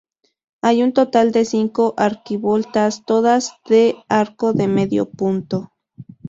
Hay un total de cinco arquivoltas, todas de arco de medio punto.